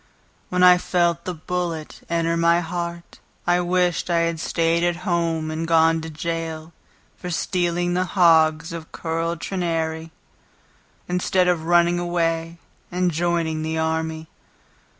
When I felt the bullet enter my heart I wished I had staid at home and gone to jail For stealing the hogs of Curl Trenary, Instead of running away and joining the army.